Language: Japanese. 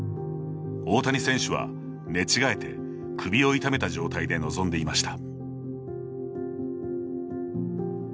大谷選手は、寝違えて首を痛めた状態で臨んでいました。